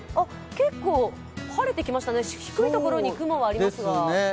結構、晴れてきましたね、低いところに雲はありますが。